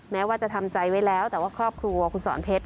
แม้ว่าจะทำใจไว้แล้วแต่ว่าครอบครัวคุณสอนเพชร